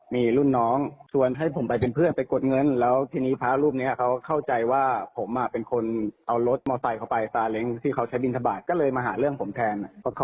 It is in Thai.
ก็ต้องฝากให้ผมตั้งแต่วันแรก